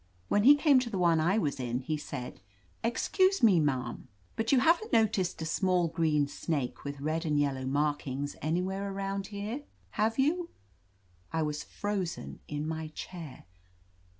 When he came to the one I was in, he said, "Excuse me, ma'am, but you haven't no ticed a small green snake with red and yellow markings anywhere around here, have you?" I was frozen in my chair.